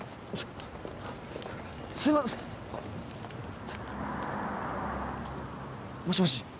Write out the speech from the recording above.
すいまあっもしもし